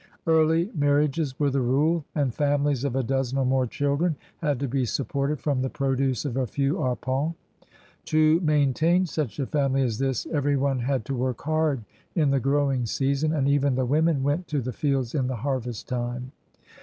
Early marriages were the rule, and f amihes of a dozen or more children had to be supported from the produce of a few arpents. To maintain such a family as this everyone had to work hard in the growing season, and even the women went to the fields in the harvest time.